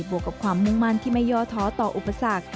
วกกับความมุ่งมั่นที่ไม่ย่อท้อต่ออุปสรรค